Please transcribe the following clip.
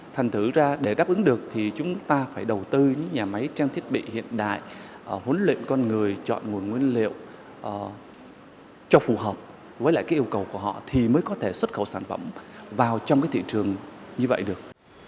thành thử ra để đáp ứng được thì chúng ta phải đầu tư những nhà máy trang thiết bị hiện đại huấn luyện con người chọn nguồn nguyên liệu cho phù hợp với lại cái yêu cầu của họ thì mới có thể xuất khẩu sản phẩm vào trong cái thị trường như vậy được